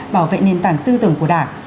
bảo vệ nền tảng tư tưởng của đảng